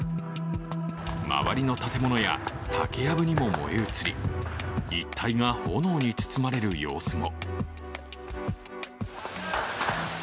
周りの建物や竹やぶにも燃え移り一帯が炎に包まれる様子も。